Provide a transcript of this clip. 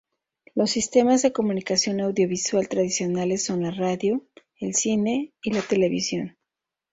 Los sistemas de comunicación audiovisual tradicionales son la radio, el cine y la televisión.